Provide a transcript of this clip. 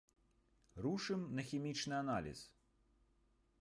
Рушым на хімічны аналіз.